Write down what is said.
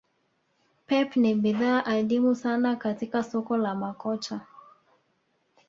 Pep ni bidhaa adimu sana katik soko la makocha